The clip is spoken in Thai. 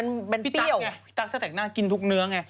มันเป็นเปรี้ยวพี่ตั๊กไงถ้าแตกหน้ากินทุกเนื้อไง